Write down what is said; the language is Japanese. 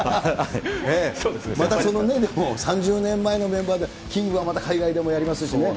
またそのね、３０年前のメンバーでキングはまた海外でもやりますしね。